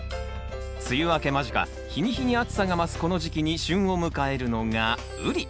梅雨明け間近日に日に暑さが増すこの時期に旬を迎えるのがウリ。